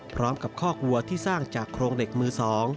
พร้อมกับข้อกวัวที่สร้างจากโครงเหล็กมือ๒